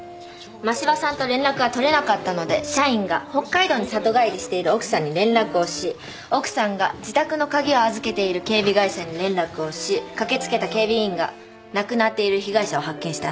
真柴さんと連絡が取れなかったので社員が北海道に里帰りしている奥さんに連絡をし奥さんが自宅の鍵を預けている警備会社に連絡をし駆け付けた警備員が亡くなっている被害者を発見したんです。